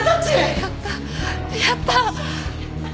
やったやった！